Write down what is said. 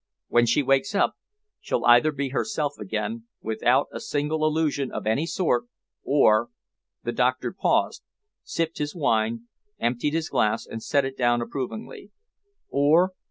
When she wakes up, she'll either be herself again, without a single illusion of any sort, or " The doctor paused, sipped his wine, emptied his glass and set it down approvingly. "Or?"